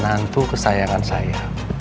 nantu kesayangan saya